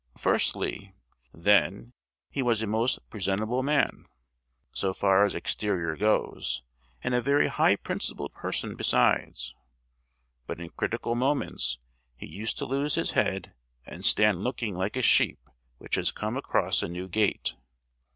Firstly, then, he was a most presentable man, so far as exterior goes, and a very high principled person besides; but in critical moments he used to lose his head and stand looking like a sheep which has come across a new gate.